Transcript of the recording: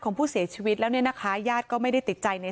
อ๋อหนูไปทำงานหนูกลับมาหนูก็ไม่เจอค่ะ